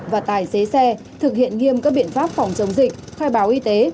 và tài xế xe thực hiện nghiêm các biện pháp phòng chống dịch khai báo y tế